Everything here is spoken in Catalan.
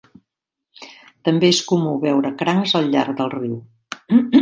També és comú veure crancs al llarg del riu.